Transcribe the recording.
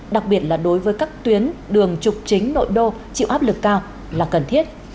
đặc biệt là đối với các tuyến đường trục chính nội đô chịu áp lực cao là cần thiết